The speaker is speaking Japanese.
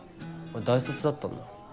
大卒だったんだ。